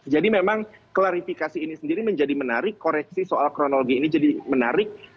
jadi memang klarifikasi ini sendiri menjadi menarik koreksi soal kronologi ini jadi menarik